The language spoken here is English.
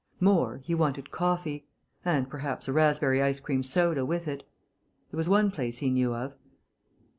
More, he wanted coffee. And perhaps a raspberry ice cream soda with it. There was one place he knew of....